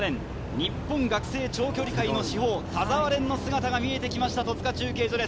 日本学生長距離界の至宝、田澤廉の姿が見えてきました、戸塚中継所です。